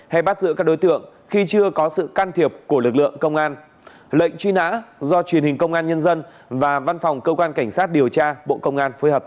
hãy đăng kí cho kênh lalaschool để không bỏ lỡ những video hấp dẫn